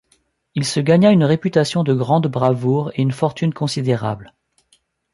Il se gagna une réputation de grande bravoure et une fortune considérable.